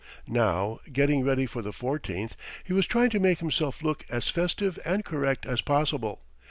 Now, getting ready for the fourteenth, he was trying to make himself look as festive and correct as possible.